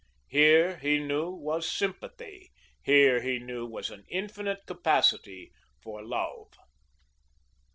Here, he knew, was sympathy; here, he knew, was an infinite capacity for love.